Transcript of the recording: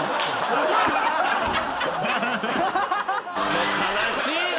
もう悲しいよ。